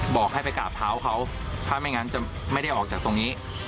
บอกให้ไปกราบเท้าเขาถ้าไม่งั้นจะไม่ได้ออกจากตรงนี้